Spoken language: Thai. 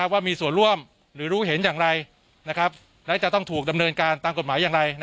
ว่ามีส่วนร่วมหรือรู้เห็นอย่างไรและจะต้องถูกดำเนินการตามกฎหมายอย่างไร